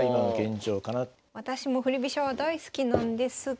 私も振り飛車は大好きなんですが。